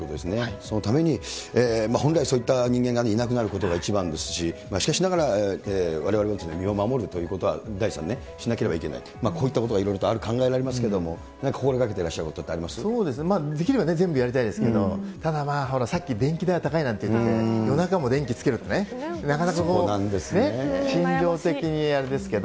そのために、本来、そういった人間がいなくなることが一番ですし、しかしながら、われわれは身を守るということは、大地さんね、しなければいけないと、こういったことがいろいろ考えられますけれども、何か心がけそうですね、できれば全部やりたいですけれども、ただまあ、ほら、さっき、電気代が高いなんていうのがあって、夜中も電気つけるとね、なかなかこう、心情的にあれですけど。